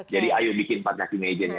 jadi ayo bikin empat kaki mejanya